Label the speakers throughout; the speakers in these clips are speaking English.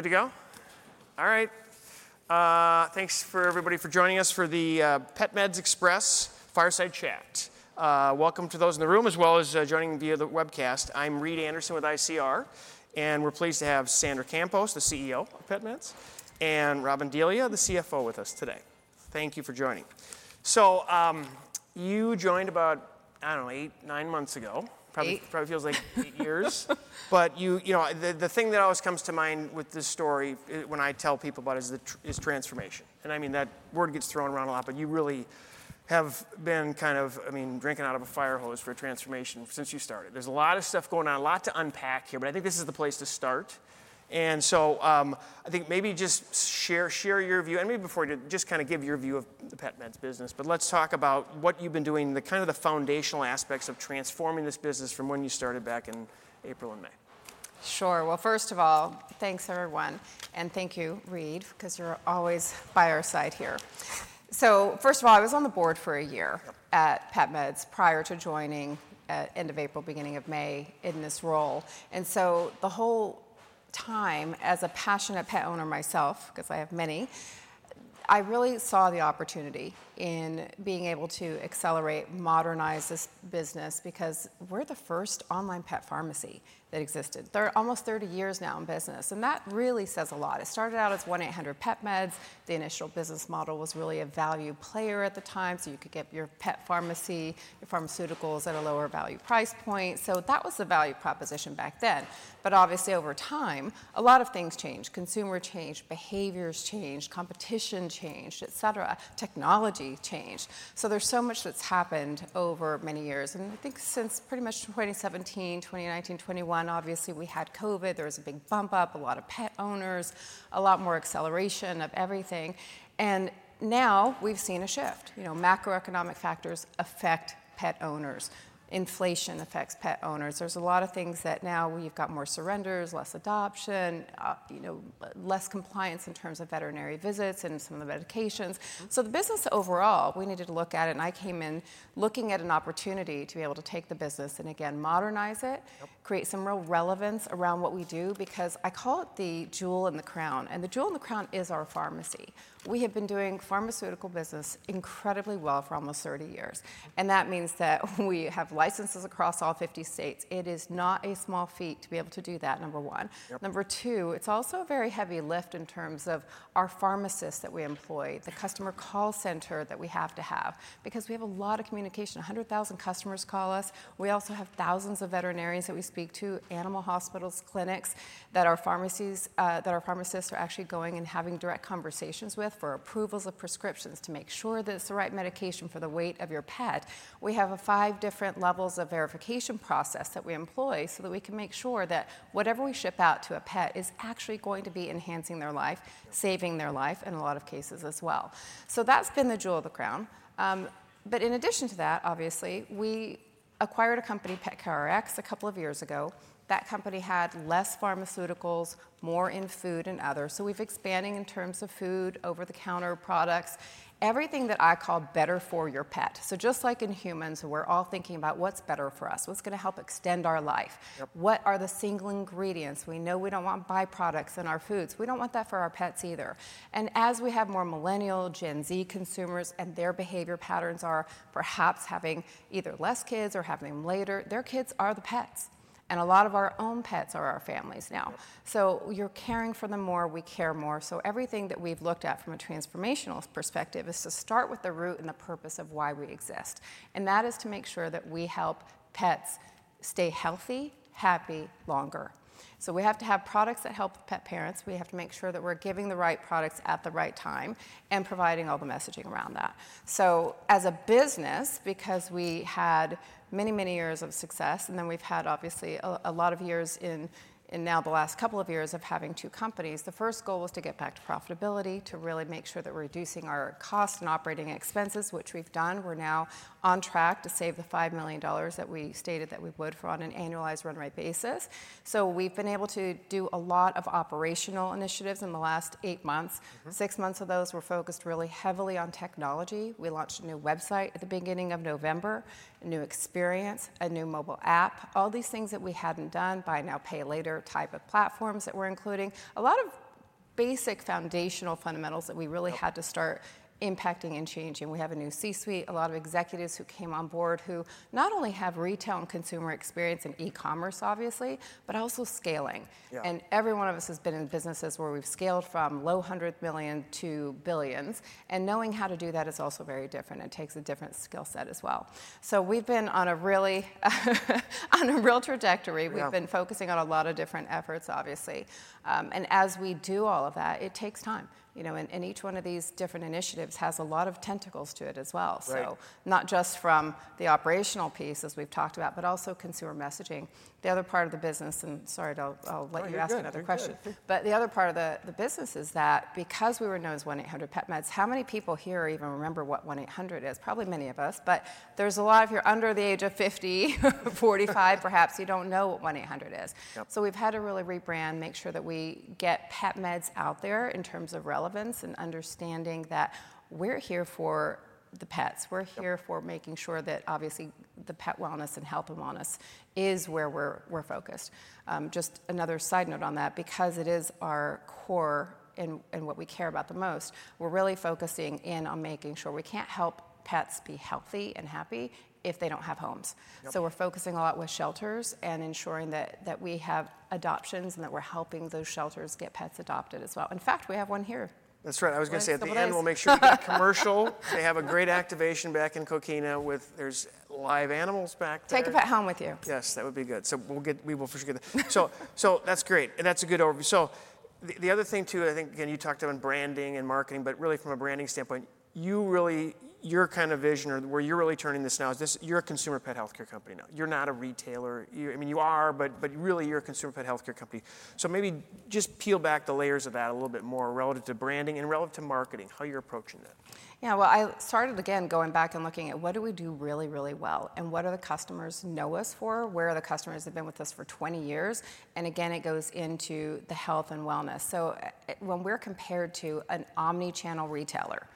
Speaker 1: Ready to go? All right. Thanks for everybody for joining us for the PetMed Express fireside chat. Welcome to those in the room, as well as joining via the webcast. I'm Reid Anderson with ICR, and we're pleased to have Sandra Campos, the CEO of PetMeds, and Robyn D'Elia, the CFO, with us today. Thank you for joining, so you joined about, I don't know, eight, nine months ago. Probably feels like eight years, but the thing that always comes to mind with this story when I tell people about it is transformation, and I mean, that word gets thrown around a lot, but you really have been kind of, I mean, drinking out of a fire hose for transformation since you started. There's a lot of stuff going on, a lot to unpack here, but I think this is the place to start. And so I think maybe just share your view. And maybe before you do, just kind of give your view of the PetMeds business. But let's talk about what you've been doing, kind of the foundational aspects of transforming this business from when you started back in April and May.
Speaker 2: Sure. First of all, thanks, everyone. Thank you, Reid, because you're always by our side here. First of all, I was on the board for a year at PetMeds prior to joining at the end of April, beginning of May in this role. The whole time, as a passionate pet owner myself, because I have many, I really saw the opportunity in being able to accelerate, modernize this business because we're the first online pet pharmacy that existed. They're almost 30 years now in business. And that really says a lot. It started out as 1-800-PetMeds. The initial business model was really a value player at the time. You could get your pet pharmacy, your pharmaceuticals at a lower value price point. That was the value proposition back then. Obviously, over time, a lot of things changed. Consumers changed, behaviors changed, competition changed, et cetera. Technology changed. So there's so much that's happened over many years. And I think since pretty much 2017, 2019, 2021, obviously, we had COVID. There was a big bump up, a lot of pet owners, a lot more acceleration of everything. And now we've seen a shift. Macroeconomic factors affect pet owners. Inflation affects pet owners. There's a lot of things that now we've got more surrenders, less adoption, less compliance in terms of veterinary visits and some of the medications. So the business overall, we needed to look at it. And I came in looking at an opportunity to be able to take the business and, again, modernize it, create some real relevance around what we do because I call it the jewel in the crown. And the jewel in the crown is our pharmacy. We have been doing pharmaceutical business incredibly well for almost 30 years. And that means that we have licenses across all 50 states. It is not a small feat to be able to do that, number one. Number two, it's also a very heavy lift in terms of our pharmacists that we employ, the customer call center that we have to have because we have a lot of communication. 100,000 customers call us. We also have thousands of veterinarians that we speak to, animal hospitals, clinics that our pharmacists are actually going and having direct conversations with for approvals of prescriptions to make sure that it's the right medication for the weight of your pet. We have five different levels of verification process that we employ so that we can make sure that whatever we ship out to a pet is actually going to be enhancing their life, saving their life in a lot of cases as well. So that's been the jewel of the crown. But in addition to that, obviously, we acquired a company, PetCareRx, a couple of years ago. That company had less pharmaceuticals, more in food and others. So we've expanding in terms of food, over-the-counter products, everything that I call better for your pet. So just like in humans, we're all thinking about what's better for us, what's going to help extend our life, what are the single ingredients? We know we don't want byproducts in our foods. We don't want that for our pets either. And as we have more Millennial Gen Z consumers and their behavior patterns are perhaps having either less kids or having them later, their kids are the pets. And a lot of our own pets are our families now. So you're caring for them more. We care more. So everything that we've looked at from a transformational perspective is to start with the root and the purpose of why we exist. And that is to make sure that we help pets stay healthy, happy, longer. So we have to have products that help pet parents. We have to make sure that we're giving the right products at the right time and providing all the messaging around that. As a business, because we had many, many years of success, and then we've had obviously a lot of years in now the last couple of years of having two companies, the first goal was to get back to profitability, to really make sure that we're reducing our cost and operating expenses, which we've done. We're now on track to save the $5 million that we stated that we would for on an annualized run rate basis. We've been able to do a lot of operational initiatives in the last eight months. Six months of those were focused really heavily on technology. We launched a new website at the beginning of November, a new experience, a new mobile app, all these things that we hadn't done, buy now pay later type of platforms that we're including, a lot of basic foundational fundamentals that we really had to start impacting and changing. We have a new C-suite, a lot of executives who came on board who not only have retail and consumer experience and e-commerce, obviously, but also scaling. And every one of us has been in businesses where we've scaled from low hundred million to billions. And knowing how to do that is also very different. It takes a different skill set as well. So we've been on a real trajectory. We've been focusing on a lot of different efforts, obviously. And as we do all of that, it takes time. Each one of these different initiatives has a lot of tentacles to it as well. Not just from the operational piece, as we've talked about, but also consumer messaging. The other part of the business, and sorry, I'll let you ask another question. The other part of the business is that because we were known as 1-800-PetMeds, how many people here even remember what 1-800 is? Probably many of us, but there's a lot of you're under the age of 50, 45, perhaps you don't know what 1-800 is. We've had to really rebrand, make sure that we get pet meds out there in terms of relevance and understanding that we're here for the pets. We're here for making sure that obviously the pet wellness and health and wellness is where we're focused. Just another side note on that, because it is our core and what we care about the most, we're really focusing in on making sure we can't help pets be healthy and happy if they don't have homes. So we're focusing a lot with shelters and ensuring that we have adoptions and that we're helping those shelters get pets adopted as well. In fact, we have one here.
Speaker 1: That's right. I was going to say at the end, we'll make sure we get commercial. They have a great activation back in Coquina with there's live animals back there.
Speaker 2: Take a pet home with you.
Speaker 1: Yes, that would be good. So we will for sure get that. So that's great. And that's a good overview. So the other thing too, I think, again, you talked about branding and marketing, but really from a branding standpoint, you really, your kind of vision or where you're really turning this now is this you're a consumer pet healthcare company now. You're not a retailer. I mean, you are, but really you're a consumer pet healthcare company. So maybe just peel back the layers of that a little bit more relative to branding and relative to marketing, how you're approaching that.
Speaker 2: Yeah, well, I started, again, going back and looking at what we do really, really well and what the customers know us for, where the customers have been with us for 20 years, and again, it goes into the health and wellness, so when we're compared to an omnichannel retailer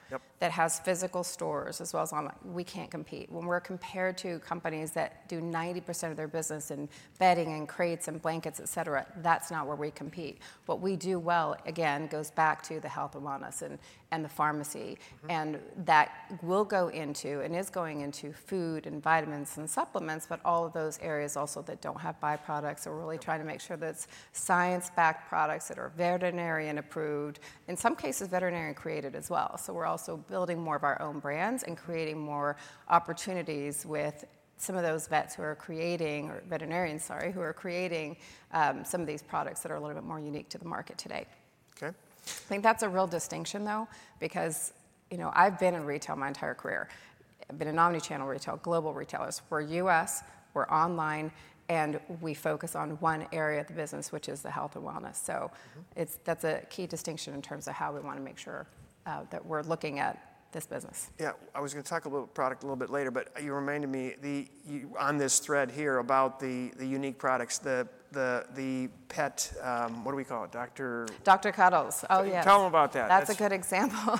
Speaker 2: that has physical stores as well as online, we can't compete. When we're compared to companies that do 90% of their business in bedding and crates and blankets, et cetera, that's not where we compete. What we do well, again, goes back to the health and wellness and the pharmacy, and that will go into and is going into food and vitamins and supplements, but all of those areas also that don't have byproducts, so we're really trying to make sure that it's science-backed products that are veterinarian approved, in some cases veterinarian created as well. So we're also building more of our own brands and creating more opportunities with some of those vets who are creating or veterinarians, sorry, who are creating some of these products that are a little bit more unique to the market today. I think that's a real distinction though, because I've been in retail my entire career. I've been an omnichannel retail, global retailers. We're U.S., we're online, and we focus on one area of the business, which is the health and wellness. So that's a key distinction in terms of how we want to make sure that we're looking at this business.
Speaker 1: Yeah, I was going to talk a little product a little bit later, but you reminded me on this thread here about the unique products, the pet, what do we call it? Dr.
Speaker 2: Dr. Cuddles. Oh, yes.
Speaker 1: Tell them about that.
Speaker 2: That's a good example,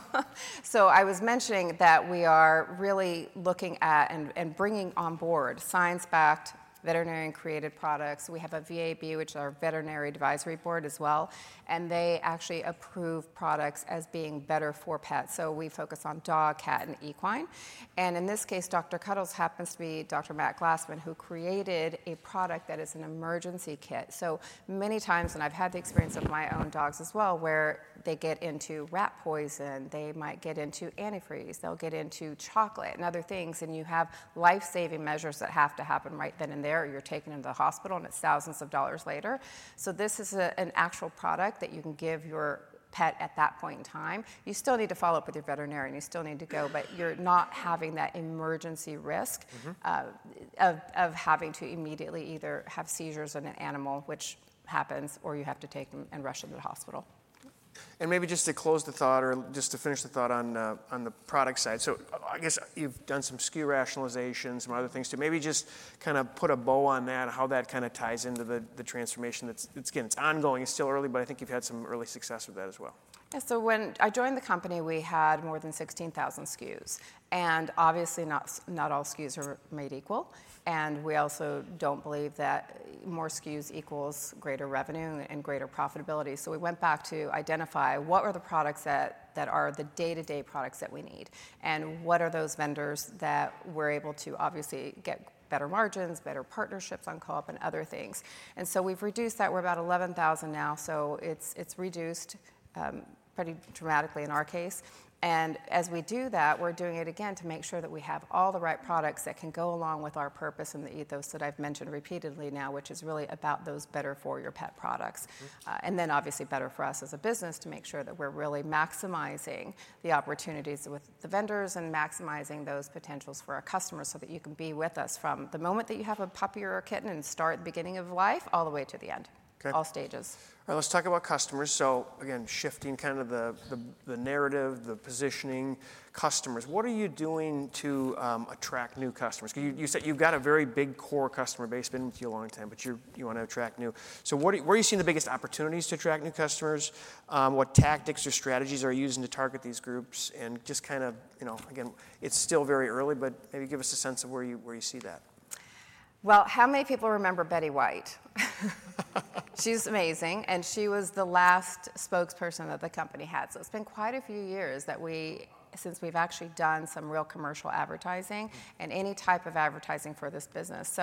Speaker 2: so I was mentioning that we are really looking at and bringing on board science-backed, veterinarian-created products. We have a VAB, which is our Veterinary Advisory Board as well, and they actually approve products as being better for pets, so we focus on dog, cat, and equine, and in this case, Dr. Cuddles happens to be Dr. Matt Glassman, who created a product that is an emergency kit, so many times, and I've had the experience of my own dogs as well, where they get into rat poison, they might get into antifreeze, they'll get into chocolate, and other things, and you have life-saving measures that have to happen right then and there. You're taking them to the hospital, and it's thousands of dollars later, so this is an actual product that you can give your pet at that point in time. You still need to follow up with your veterinarian. You still need to go, but you're not having that emergency risk of having to immediately either have seizures on an animal, which happens, or you have to take them and rush them to the hospital.
Speaker 1: And maybe just to close the thought or just to finish the thought on the product side. So I guess you've done some SKU rationalizations, some other things too. Maybe just kind of put a bow on that, how that kind of ties into the transformation. It's ongoing. It's still early, but I think you've had some early success with that as well.
Speaker 2: So when I joined the company, we had more than 16,000 SKUs. And obviously, not all SKUs are made equal. And we also don't believe that more SKUs equals greater revenue and greater profitability. So we went back to identify what are the products that are the day-to-day products that we need and what are those vendors that we're able to obviously get better margins, better partnerships on co-op and other things. And so we've reduced that. We're about 11,000 now. So it's reduced pretty dramatically in our case. And as we do that, we're doing it again to make sure that we have all the right products that can go along with our purpose and those that I've mentioned repeatedly now, which is really about those better for your pet products. And then obviously better for us as a business to make sure that we're really maximizing the opportunities with the vendors and maximizing those potentials for our customers so that you can be with us from the moment that you have a puppy or a kitten and start at the beginning of life all the way to the end, all stages.
Speaker 1: All right, let's talk about customers. So again, shifting kind of the narrative, the positioning, customers. What are you doing to attract new customers? You said you've got a very big core customer base. It's been with you a long time, but you want to attract new. So where are you seeing the biggest opportunities to attract new customers? What tactics or strategies are you using to target these groups? And just kind of, again, it's still very early, but maybe give us a sense of where you see that.
Speaker 2: How many people remember Betty White? She's amazing. She was the last spokesperson that the company had. It's been quite a few years since we've actually done some real commercial advertising and any type of advertising for this business.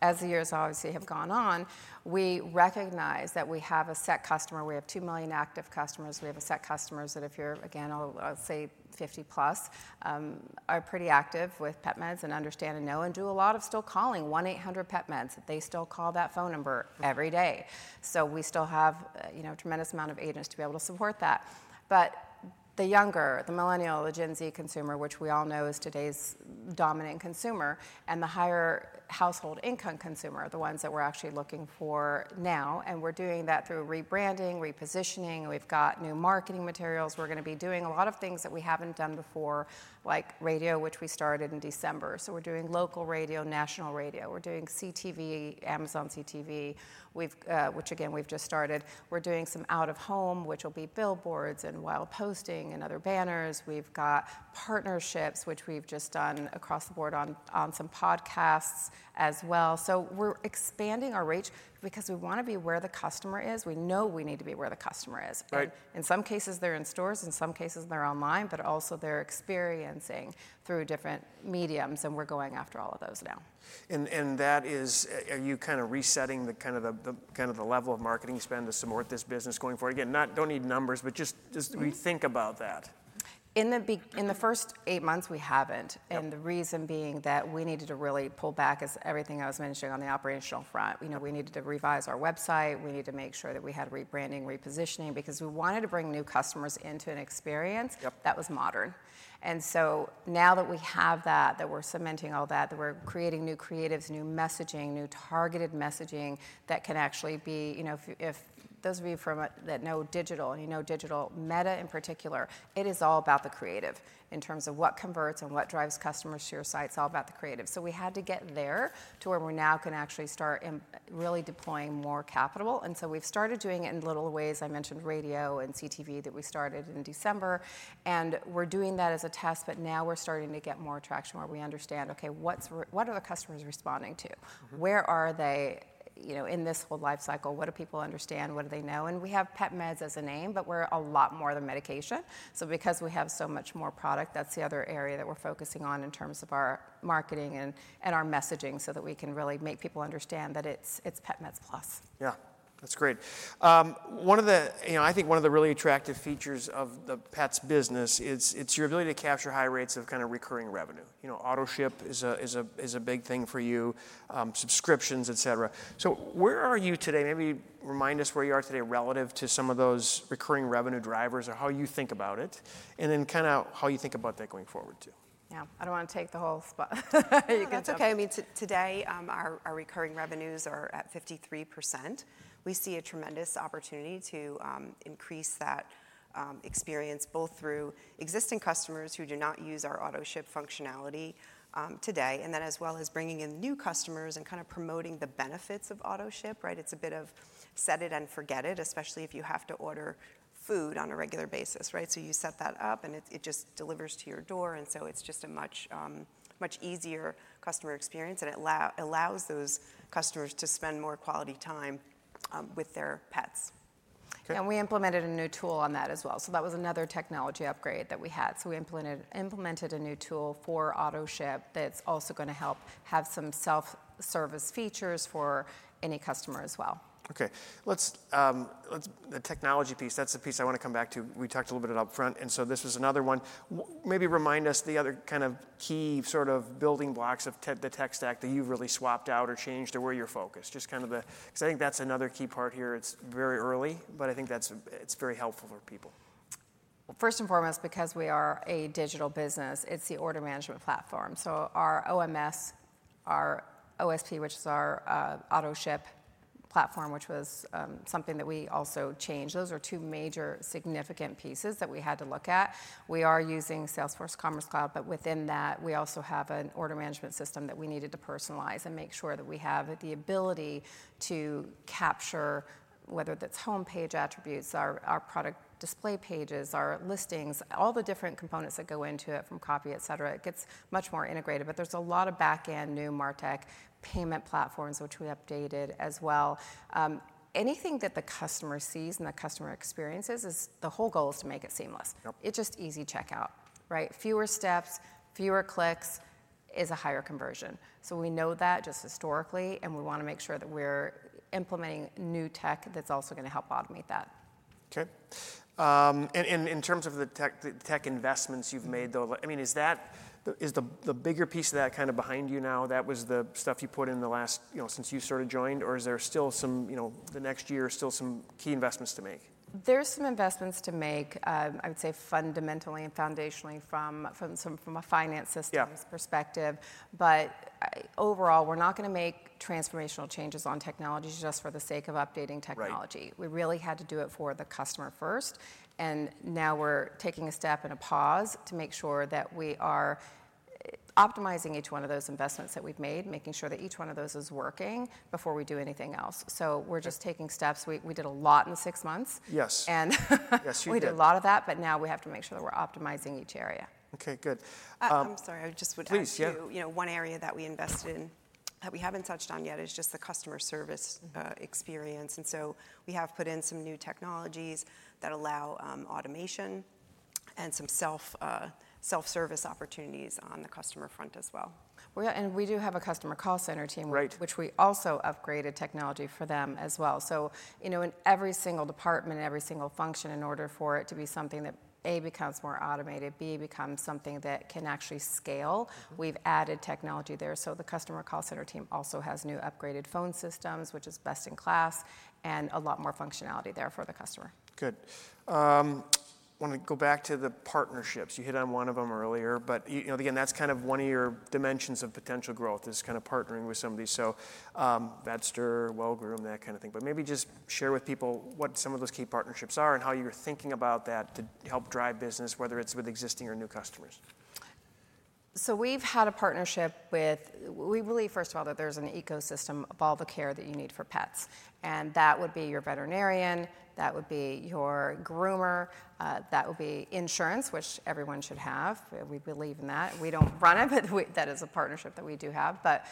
Speaker 2: As the years obviously have gone on, we recognize that we have a set customer. We have 2 million active customers. We have a set customers that if you're, again, I'll say 50 plus, are pretty active with PetMeds and understand and know and do a lot of still calling 1-800-PetMeds. They still call that phone number every day. We still have a tremendous amount of agents to be able to support that. The younger, the Millennial, the Gen Z consumer, which we all know is today's dominant consumer, and the higher household income consumer are the ones that we're actually looking for now. And we're doing that through rebranding, repositioning. We've got new marketing materials. We're going to be doing a lot of things that we haven't done before, like radio, which we started in December. So we're doing local radio, national radio. We're doing CTV, Amazon CTV, which again, we've just started. We're doing some out of home, which will be billboards and wild posting and other banners. We've got partnerships, which we've just done across the board on some podcasts as well. So we're expanding our reach because we want to be where the customer is. We know we need to be where the customer is. But in some cases, they're in stores. In some cases, they're online, but also they're experiencing through different mediums. And we're going after all of those now.
Speaker 1: That is, are you kind of resetting the kind of the level of marketing spend to support this business going forward? Again, don't need numbers, but just think about that.
Speaker 2: In the first eight months, we haven't, and the reason being that we needed to really pull back is everything I was mentioning on the operational front. We needed to revise our website. We need to make sure that we had rebranding, repositioning, because we wanted to bring new customers into an experience that was modern. Now that we have that, that we're cementing all that, that we're creating new creatives, new messaging, new targeted messaging that can actually be, if those of you that know digital, you know digital, Meta in particular, it is all about the creative in terms of what converts and what drives customers to your site. It's all about the creative, so we had to get there to where we're now can actually start really deploying more capital. We've started doing it in little ways. I mentioned radio and CTV that we started in December. And we're doing that as a test, but now we're starting to get more traction where we understand, okay, what are the customers responding to? Where are they in this whole life cycle? What do people understand? What do they know? And we have PetMeds as a name, but we're a lot more than medication. So because we have so much more product, that's the other area that we're focusing on in terms of our marketing and our messaging so that we can really make people understand that it's PetMeds Plus.
Speaker 1: Yeah, that's great. One of the, I think one of the really attractive features of the pets business is your ability to capture high rates of kind of recurring revenue. Autoship is a big thing for you, subscriptions, et cetera. So where are you today? Maybe remind us where you are today relative to some of those recurring revenue drivers or how you think about it and then kind of how you think about that going forward too.
Speaker 2: Yeah, I don't want to take the whole spot. That's okay. I mean, today, our recurring revenues are at 53%. We see a tremendous opportunity to increase that experience both through existing customers who do not use our Autoship functionality today and then as well as bringing in new customers and kind of promoting the benefits of Autoship, right? It's a bit of set it and forget it, especially if you have to order food on a regular basis, right? So you set that up and it just delivers to your door. And so it's just a much easier customer experience and it allows those customers to spend more quality time with their pets. And we implemented a new tool on that as well. So that was another technology upgrade that we had. So we implemented a new tool for Autoship that's also going to help have some self-service features for any customer as well.
Speaker 1: Okay, the technology piece, that's the piece I want to come back to. We talked a little bit about upfront. And so this was another one. Maybe remind us the other kind of key sort of building blocks of the tech stack that you've really swapped out or changed or where you're focused, just kind of the, because I think that's another key part here. It's very early, but I think that's very helpful for people.
Speaker 2: First and foremost, because we are a digital business, it's the order management platform. Our OMS, our OSP, which is our Autoship platform, which was something that we also changed. Those are two major significant pieces that we had to look at. We are using Salesforce Commerce Cloud, but within that, we also have an order management system that we needed to personalize and make sure that we have the ability to capture whether that's homepage attributes, our product display pages, our listings, all the different components that go into it from copy, et cetera. It gets much more integrated, but there's a lot of backend new MarTech payment platforms, which we updated as well. Anything that the customer sees and the customer experiences is the whole goal is to make it seamless. It's just easy checkout, right? Fewer steps, fewer clicks is a higher conversion. So we know that just historically, and we want to make sure that we're implementing new tech that's also going to help automate that.
Speaker 1: Okay. And in terms of the tech investments you've made though, I mean, is the bigger piece of that kind of behind you now, that was the stuff you put in the last since you sort of joined, or is there still some, the next year, still some key investments to make?
Speaker 2: There's some investments to make, I would say fundamentally and foundationally from a finance systems perspective, but overall, we're not going to make transformational changes on technology just for the sake of updating technology. We really had to do it for the customer first, and now we're taking a step and a pause to make sure that we are optimizing each one of those investments that we've made, making sure that each one of those is working before we do anything else, so we're just taking steps. We did a lot in six months.
Speaker 1: Yes, you did.
Speaker 2: We did a lot of that, but now we have to make sure that we're optimizing each area.
Speaker 1: Okay, good.
Speaker 3: I'm sorry, I just would add to one area that we invested in that we haven't touched on yet, is just the customer service experience. And so we have put in some new technologies that allow automation and some self-service opportunities on the customer front as well.
Speaker 2: We do have a customer call center team, which we also upgraded technology for them as well. In every single department, every single function, in order for it to be something that A, becomes more automated, B, becomes something that can actually scale, we've added technology there. The customer call center team also has new upgraded phone systems, which is best in class and a lot more functionality there for the customer.
Speaker 1: Good. I want to go back to the partnerships. You hit on one of them earlier, but again, that's kind of one of your dimensions of potential growth is kind of partnering with somebody. So Vetster, Well Groomed, that kind of thing. But maybe just share with people what some of those key partnerships are and how you're thinking about that to help drive business, whether it's with existing or new customers.
Speaker 2: So we've had a partnership with. We believe, first of all, that there's an ecosystem of all the care that you need for pets. And that would be your veterinarian, that would be your groomer, that would be insurance, which everyone should have. We believe in that. We don't run it, but that is a partnership that we do have. But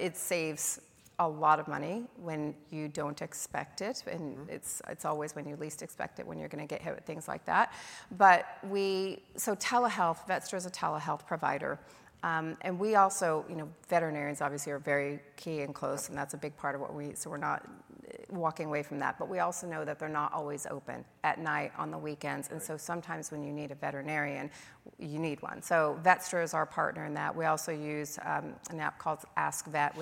Speaker 2: it saves a lot of money when you don't expect it. And it's always when you least expect it when you're going to get hit with things like that. So telehealth, Vetster is a telehealth provider. And we also, veterinarians obviously are very key and close, and that's a big part of what we, so we're not walking away from that. But we also know that they're not always open at night, on the weekends. And so sometimes when you need a veterinarian, you need one. So Vetster is our partner in that. We also use an app called AskVet,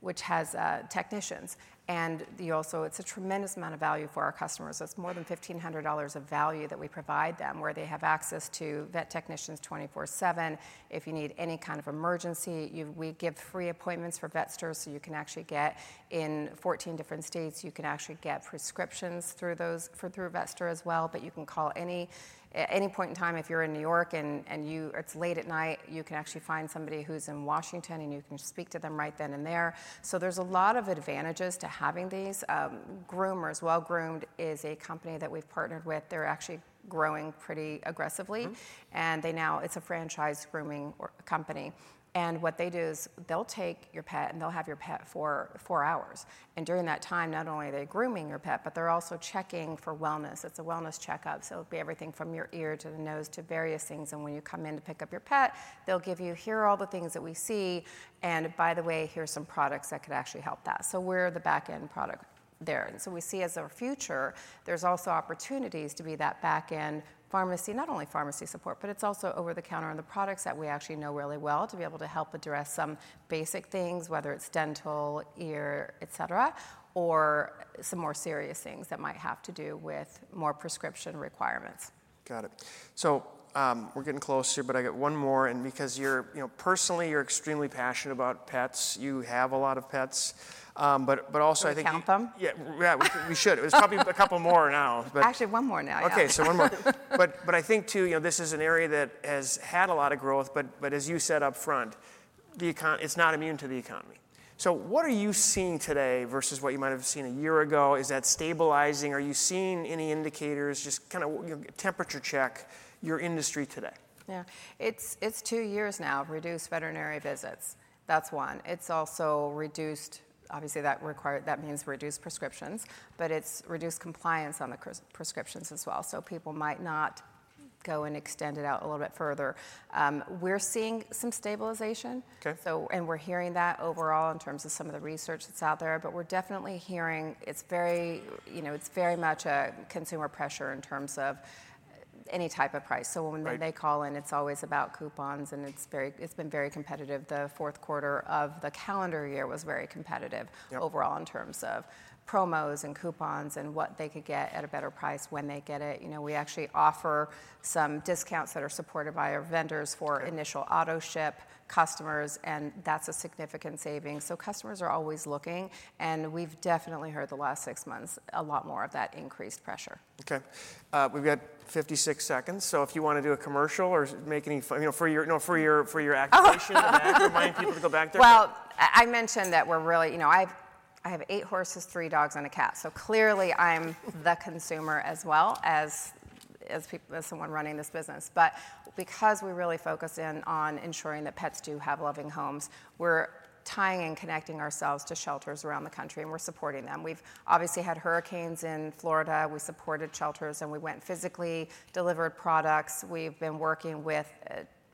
Speaker 2: which has technicians. And it's a tremendous amount of value for our customers. It's more than $1,500 of value that we provide them where they have access to vet technicians 24/7. If you need any kind of emergency, we give free appointments for Vetster so you can actually get in 14 different states. You can actually get prescriptions through Vetster as well, but you can call any point in time if you're in New York and it's late at night, you can actually find somebody who's in Washington and you can speak to them right then and there. So there's a lot of advantages to having these. Groomers. Wellgroomed is a company that we've partnered with. They're actually growing pretty aggressively. And now it's a franchise grooming company. And what they do is they'll take your pet and they'll have your pet for four hours. And during that time, not only are they grooming your pet, but they're also checking for wellness. It's a wellness checkup. So it'll be everything from your ear to the nose to various things. And when you come in to pick up your pet, they'll give you, "Here are all the things that we see. And by the way, here's some products that could actually help that." So we're the backend product there. We see as our future, there's also opportunities to be that backend pharmacy, not only pharmacy support, but it's also over the counter on the products that we actually know really well to be able to help address some basic things, whether it's dental, ear, et cetera, or some more serious things that might have to do with more prescription requirements.
Speaker 1: Got it. So we're getting close here, but I got one more. And because personally, you're extremely passionate about pets, you have a lot of pets, but also I think.
Speaker 2: Can we count them?
Speaker 1: Yeah, we should. It's probably a couple more now.
Speaker 2: Actually, one more now.
Speaker 1: Okay, so one more, but I think too, this is an area that has had a lot of growth, but as you said upfront, it's not immune to the economy, so what are you seeing today versus what you might have seen a year ago? Is that stabilizing? Are you seeing any indicators, just kind of temperature check your industry today?
Speaker 2: Yeah, it's two years now, reduced veterinary visits. That's one. It's also reduced, obviously that means reduced prescriptions, but it's reduced compliance on the prescriptions as well. So people might not go and extend it out a little bit further. We're seeing some stabilization, and we're hearing that overall in terms of some of the research that's out there, but we're definitely hearing it's very much a consumer pressure in terms of any type of price, so when they call in, it's always about coupons and it's been very competitive. The fourth quarter of the calendar year was very competitive overall in terms of promos and coupons and what they could get at a better price when they get it. We actually offer some discounts that are supported by our vendors for initial Autoship customers, and that's a significant saving. So customers are always looking, and we've definitely heard the last six months a lot more of that increased pressure.
Speaker 1: Okay. We've got 56 seconds. So if you want to do a commercial or make any for your activation and remind people to go back there.
Speaker 2: I mentioned that we're really. I have eight horses, three dogs, and a cat. Clearly I'm the consumer as well as someone running this business. Because we really focus in on ensuring that pets do have loving homes, we're tying and connecting ourselves to shelters around the country, and we're supporting them. We've obviously had hurricanes in Florida. We supported shelters, and we went physically, delivered products. We've been working with.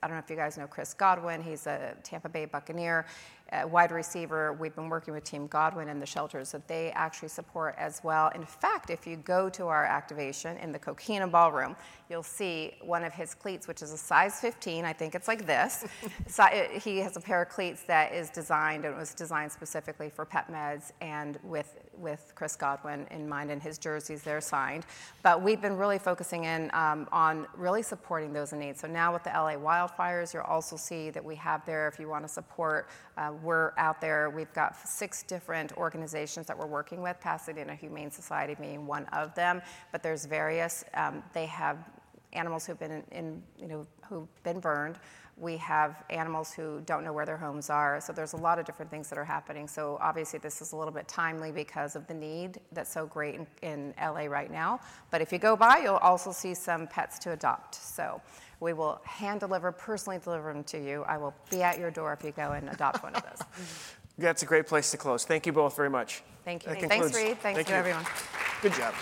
Speaker 2: I don't know if you guys know Chris Godwin. He's a Tampa Bay Buccaneers wide receiver. We've been working with Team Godwin and the shelters that they actually support as well. In fact, if you go to our activation in the Coquina Ballroom, you'll see one of his cleats, which is a size 15. I think it's like this. He has a pair of cleats that is designed and was designed specifically for PetMeds and with Chris Godwin in mind and his jerseys there signed, but we've been really focusing in on really supporting those in need. So now with the LA Wildfires, you'll also see that we have there if you want to support, we're out there. We've got six different organizations that we're working with. Pasadena Humane Society being one of them, but there's various. They have animals who've been burned. We have animals who don't know where their homes are. So there's a lot of different things that are happening. So obviously this is a little bit timely because of the need that's so great in LA right now, but if you go by, you'll also see some pets to adopt. So we will hand deliver, personally deliver them to you. I will be at your door if you go and adopt one of those.
Speaker 1: That's a great place to close. Thank you both very much.
Speaker 2: Thank you.
Speaker 3: Thanks, Reid. Thanks to everyone.
Speaker 1: Good job.